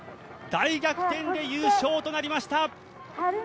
大逆転で優勝となりました。